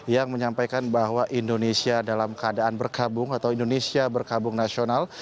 yang menyampaikan bahwa indonesia dalam keadaan berkabung atau indonesia berkabung nasional